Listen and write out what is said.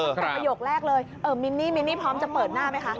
แต่ประโยคแรกเลยมินนี่มินนี่พร้อมจะเปิดหน้าไหมคะ